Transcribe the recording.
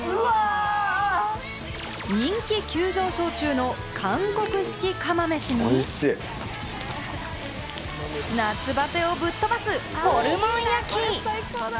人気急上昇中の韓国式釜めしに、夏バテをぶっ飛ばすホルモン焼き。